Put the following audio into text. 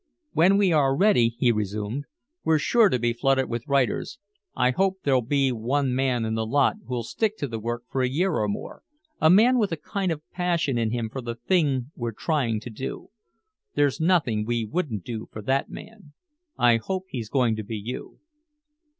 "When we are ready," he resumed, "we're sure to be flooded with writers. I hope there'll be one man in the lot who'll stick to the work for a year or more, a man with a kind of a passion in him for the thing we're trying to do. There's nothing we wouldn't do for that man. I hope he's going to be you."